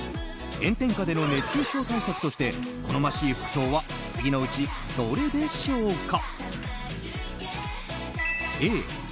炎天下での熱中症対策として好ましい服装は次のうちどれでしょうか。